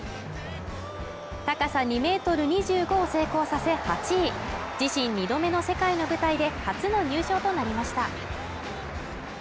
高さ２ｍ２５を成功させ８位自身２度目の世界の舞台で初の入賞となりました